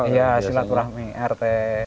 iya silaturahmi rt